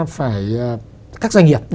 phải các doanh nghiệp